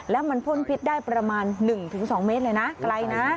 แล้วมันพ่นพิษได้ประมาณหนึ่งถึงสองเมตรเลยนะไกลนะ